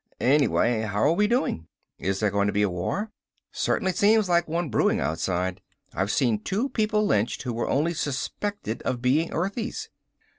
Anyway how are we doing? Is there going to be a war? Certainly seems like one brewing outside. I've seen two people lynched who were only suspected of being Earthies."